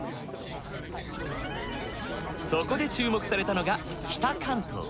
そこで注目されたのが北関東。